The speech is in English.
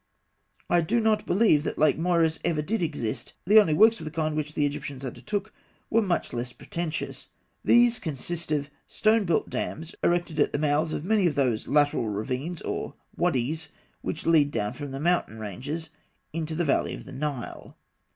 I do not believe that "Lake Moeris" ever did exist. The only works of the kind which the Egyptians undertook were much less pretentious. These consist of stone built dams erected at the mouths of many of those lateral ravines, or wadys, which lead down from the mountain ranges into the valley of the Nile.